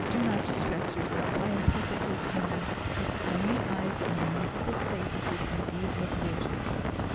Do not distress yourself I am perfectly calm." His stony eyes and immovable face did indeed look rigid.